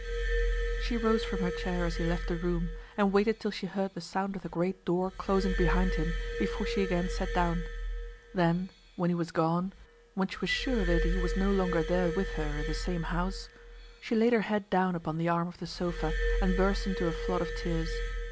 She rose from her chair as he left the room, and waited till she heard the sound of the great door closing behind him before she again sat down. Then, when he was gone, when she was sure that he was no longer there with her in the same house, she laid her head down upon the arm of the sofa, and burst into a flood of tears.